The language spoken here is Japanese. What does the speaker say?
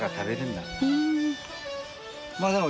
まあでも。